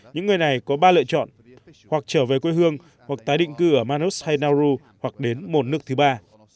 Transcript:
những người này có ba lựa chọn hoặc trở về quê hương hoặc tái định cư ở maros hay nau hoặc đến một nước thứ ba